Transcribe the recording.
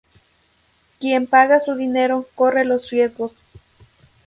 Quien paga su dinero, corre los riesgos.